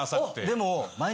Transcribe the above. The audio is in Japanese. でも。